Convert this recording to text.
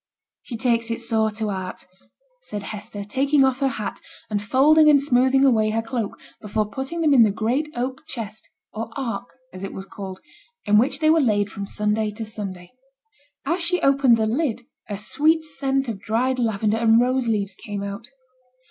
'She takes it sore to heart,' said Hester, taking off her hat, and folding and smoothing away her cloak, before putting them in the great oak chest (or 'ark,' as it was called), in which they were laid from Sunday to Sunday. As she opened the lid a sweet scent of dried lavender and rose leaves came out.